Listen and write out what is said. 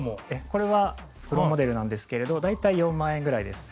これはプロモデルなんですけれど大体４万円ぐらいです。